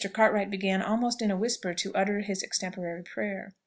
Cartwright began, almost in a whisper, to utter his extemporary prayer.